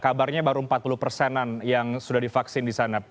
kabarnya baru empat puluh persenan yang sudah divaksin di sana